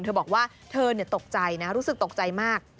เธอบอกว่าเธอตกใจนะรู้สึกตกใจมาก